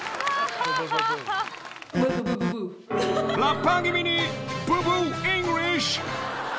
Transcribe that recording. ［ラッパー気味にＢＵＢＵイングリッシュ］